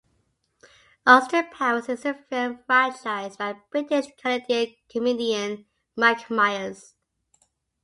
"Austin Powers" is a film franchise by British-Canadian comedian Mike Myers.